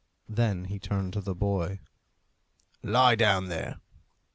Then he turned to the boy. "Lie down there."